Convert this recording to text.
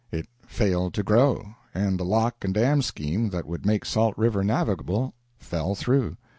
It failed to grow, and the lock and dam scheme that would make Salt River navigable fell through.